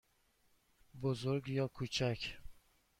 بزرگ یا کوچک؟